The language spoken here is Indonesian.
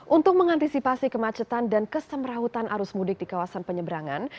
untuk mengantisipasi kemacetan dan kesemrautan arus mudik di kawasan penyeberangan